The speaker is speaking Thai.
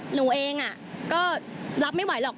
หนูเองก็รับไม่ไหวหรอก